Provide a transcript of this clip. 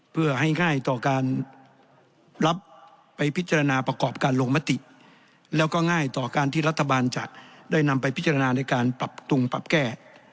เพื่อให้ง่ายต่อการรับไปพิจารณาประกอบการลงมติแล้วก็ง่ายต่อการที่รัฐบาลจะได้นำไปพิจารณาในการปรับปรุงปรับแก้